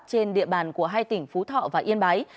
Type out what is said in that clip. trên địa bàn của hai tỉnh phú thọ và yên bái